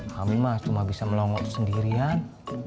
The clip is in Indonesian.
aami mah cuma bisa melongot sendirian